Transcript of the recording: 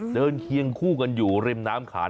เคียงคู่กันอยู่ริมน้ำขาน